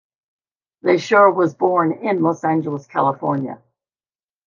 Lesure was born in Los Angeles, California.